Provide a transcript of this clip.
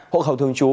hộ khẩu thường trú